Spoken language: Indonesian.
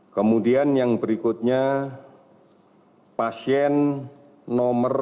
kemudian yang berikutnya pasien nomor